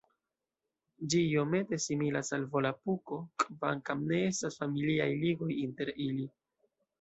Ĝi iomete similas al Volapuko kvankam ne estas familiaj ligoj inter ili.